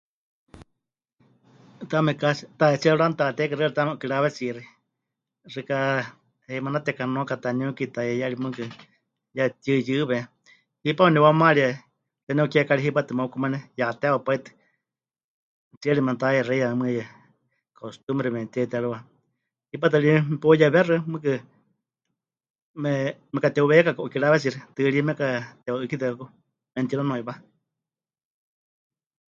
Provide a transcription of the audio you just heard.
"Taame casi tahetsíe pɨranutateke xɨari taame 'ukiraáwetsiixi, xɨka heimana tekanuaka taniuki, tayeiyari mɨɨkɨ ya pɨtiuyɨwe, hipame nepɨwamarie xeeníu kiekari hipátɨ mukumane ya teewa pai tɨ, tsiere memɨte'ayexeiya mɨɨkɨ ya ""costumbre"" memɨte'itérɨwa, hipátɨ ri mepeuyewexɨa, mɨɨkɨ me... mekate'uweiyakaku 'ukiraáwetsiixi, tɨɨrí mekatewa'ɨ́kitɨakaku, memɨtinunuiwá."